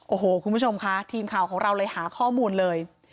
โอ้โหคุณผู้ชมค่ะทีมข่าวของเราเลยหาข้อมูลเลย